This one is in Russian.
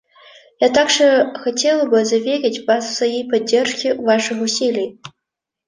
Я также хотела бы заверить Вас в своей поддержке Ваших усилий.